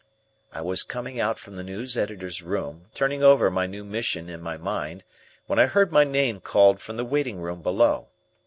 I was coming out from the news editor's room, turning over my new mission in my mind, when I heard my name called from the waiting room below.